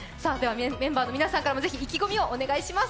メンバーの皆さんからもぜひ意気込みをお願いします。